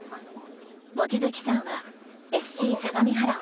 望月さんはＳＣ相模原を立ち上げた。